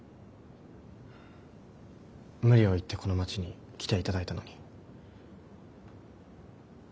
無理を言ってこの街に来ていただいたのに。